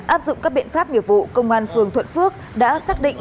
áp dụng các biện pháp nghiệp vụ công an phường thuận phước đã xác định